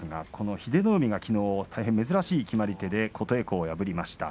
英乃海はきのう珍しい決まり手で琴恵光を破りました。